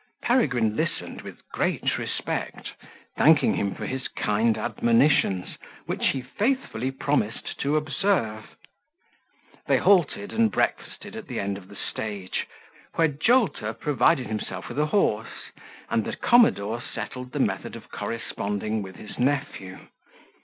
Peregrine listened with great respect, thanking him for his kind admonitions, which he faithfully promised to observe. The halted and breakfasted at the end of the stage, where Jolter provided himself with a horse, and the commodore settled the method of corresponding with his nephew.